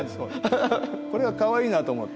これがかわいいなと思って。